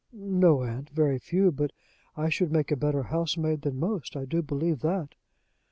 "No, aunt; very few. But I should make a better housemaid than most I do believe that."